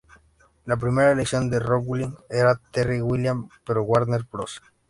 La primera elección de Rowling era Terry Gilliam, pero Warner Bros.